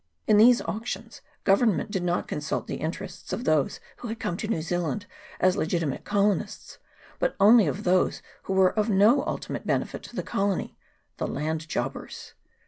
In these auctions Government did not consult the interests of those who had come to New Zealand as legitimate colonists, but only of those who were of no ultimate benefit to the colony the land jobbers.